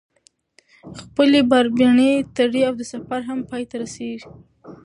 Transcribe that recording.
خپلې باربېنې تړي او سفر هم پاى ته رسي.